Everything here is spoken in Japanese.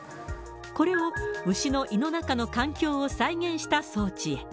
これを牛の胃の中の環境を再現した装置へ。